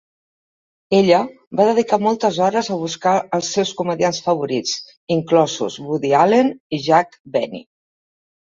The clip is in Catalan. Ella va dedicar moltes hores a buscar els seus comediants favorits, inclosos Woody Allen i Jack Benny.